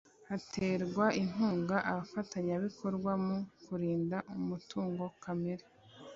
haterwa inkunga abafatanyabikorwa mu kurinda umutungo kamere